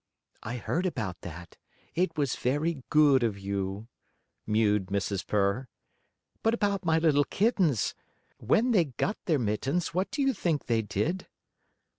"I heard about that; it was very good of you," mewed Mrs. Purr. "But about my little kittens, when they got their mittens, what do you think they did?"